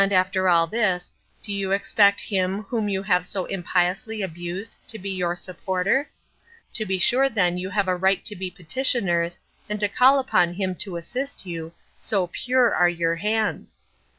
And, after all this, do you expect Him whom you have so impiously abused to be your supporter? To be sure then you have a right to be petitioners, and to call upon Him to assist you, so pure are your hands!